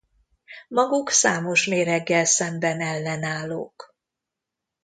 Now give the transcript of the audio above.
Maguk számos méreggel szemben ellenállók.